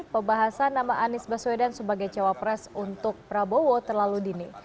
pembahasan nama anies baswedan sebagai cawapres untuk prabowo terlalu dini